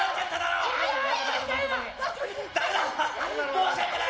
申し訳ない。